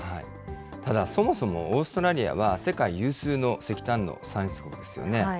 ただ、そもそもオーストラリアは、世界有数の石炭の産出国ですよね。